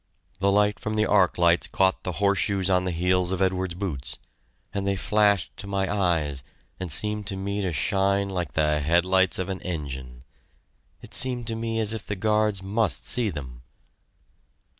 The light from the arc lights caught the horseshoes on the heels of Edwards's boots, and they flashed to my eyes and seemed to me to shine like the headlights of an engine! It seemed to me as if the guards must see them.